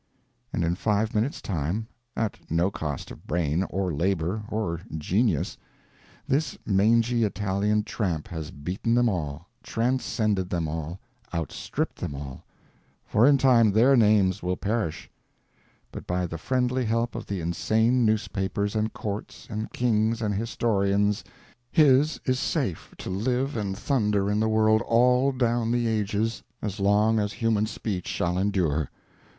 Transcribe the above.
And in five minutes' time, at no cost of brain, or labor, or genius this mangy Italian tramp has beaten them all, transcended them all, outstripped them all, for in time their names will perish; but by the friendly help of the insane newspapers and courts and kings and historians, his is safe to live and thunder in the world all down the ages as long as human speech shall endure!